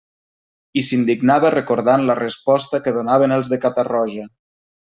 I s'indignava recordant la resposta que donaven els de Catarroja.